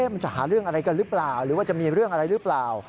มันจะหาเรื่องอะไรกันหรือเปล่าหรือว่าจะมีเรื่องอะไรหรือเปล่า